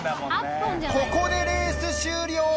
ここでレース終了。